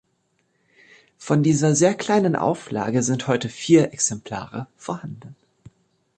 Von dieser sehr kleinen Auflage sind heute vier Exemplare vorhanden.